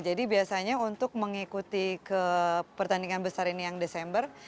jadi biasanya untuk mengikuti pertandingan besar ini yang desember